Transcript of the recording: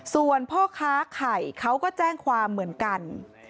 ส่วนพ่อค้าไข่เขาก็แจ้งความเหมือนกัน